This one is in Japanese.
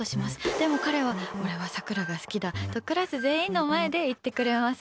でも彼は俺はさくらが好きだとクラス全員の前で言ってくれます。